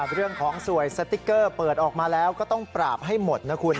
สวยสติ๊กเกอร์เปิดออกมาแล้วก็ต้องปราบให้หมดนะคุณ